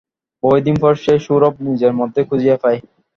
বহুদিন পর সে সেই সৌরভ নিজের মধ্যেই খুঁজিয়া পায়।